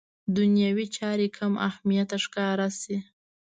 دنیوي چارې کم اهمیته ښکاره شي.